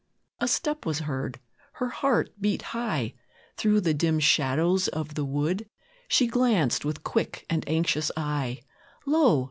A step was heard. Her heart beat high; Through the dim shadows of the wood She glanced with quick and anxious eye Lo!